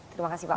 terima kasih pak